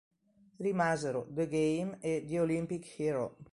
Rimasero "The Game" e "The Olimpic Hero".